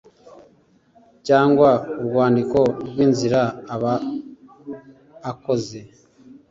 cyangwa urwandiko rw inzira aba akoze